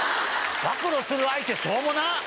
暴露する相手しょうもなっ！